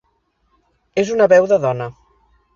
És una veu de dona.